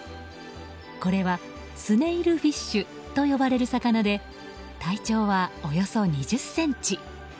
これは、スネイルフィッシュと呼ばれる魚で体長はおよそ２０ｃｍ。